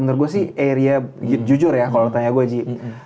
menurut gue sih area jujur ya kalo lo tanya gue ji